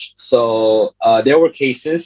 jadi ada beberapa kes